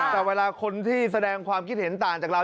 แต่เวลาคนที่แสดงความคิดเห็นต่างจากเรา